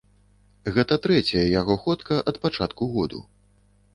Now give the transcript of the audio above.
Гэта трэцяя яго ходка ад пачатку году.